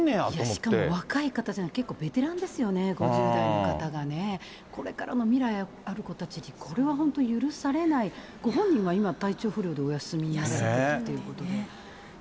しかも若い方じゃない、結構ベテランですよね、５０代の方がね。これからの未来ある子たちに、これは本当に許されない、ご本人は今、体調不良でお休みだということで。